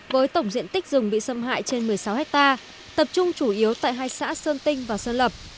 với tổng diện tích rừng bị xâm hại trên một mươi sáu hectare tập trung chủ yếu tại hai xã sơn tinh và sơn lập